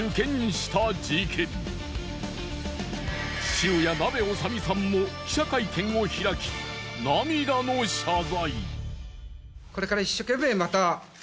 父親なべおさみさんも記者会見を開き涙の謝罪。